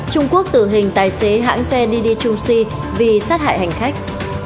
trung quốc tử hình tài xế hãng xe đi đi trung ci vì sát hại hành khách